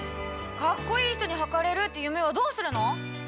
かっこいい人にはかれるって夢はどうするの！？